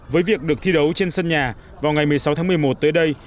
với việc được thi đấu trên sân nhà vào ngày một mươi sáu tháng một mươi một tới đây